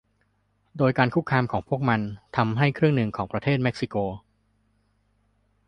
โดยการคุกคามของพวกมันทำให้ครึ่งหนึ่งของประเทศเม็กซิโก